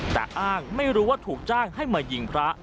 แต่อ้างไม่รู้ว่าถูกจ้างให้มายิงพระ